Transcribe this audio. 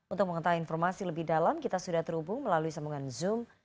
untuk mengetahui informasi lebih dalam kita sudah terhubung melalui sambungan zoom